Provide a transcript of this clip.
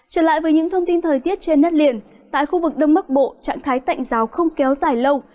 trở lại với những thông tin thời tiết trên đất liền tại khu vực đông bắc bộ trạng thái tạnh giáo không kéo dài lâu